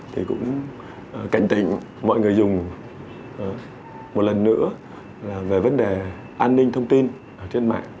thì cũng cảnh tịnh mọi người dùng một lần nữa về vấn đề an ninh thông tin trên mạng